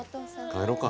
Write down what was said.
帰ろうか。